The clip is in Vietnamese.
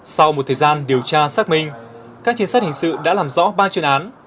sau một thời gian điều tra xác minh các trinh sát hình sự đã làm rõ ba chuyên án